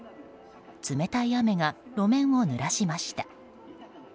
冷たい雨が路面を濡らしました。